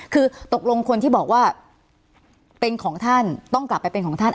คือตกลงคนที่บอกว่าเป็นของท่านต้องกลับไปเป็นของท่าน